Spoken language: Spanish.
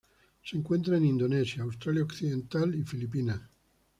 Se encuentran en Indonesia, Australia Occidental y Filipinas.